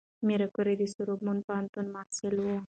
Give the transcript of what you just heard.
ماري کوري د سوربون پوهنتون محصله وه.